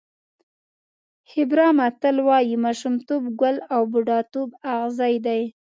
هېبرا متل وایي ماشومتوب ګل او بوډاتوب اغزی دی.